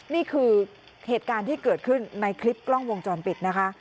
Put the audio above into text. นี่คือเหตุการณ์ที่เกิดขึ้นในคลิปกล้องวงจรปิดนะคะ